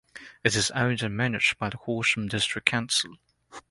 It is owned and managed by Horsham District Council.